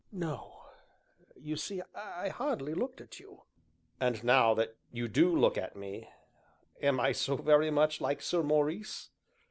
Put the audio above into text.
"No; you see, I hardly looked at you." "And, now that you do look at me, am I so very much like Sir Maurice?"